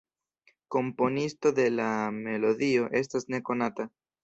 Komponisto de la melodio estas nekonata.